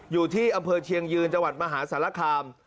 อยู่ที่อำเภอเชียงยืนจังหวัดมหาสารคาม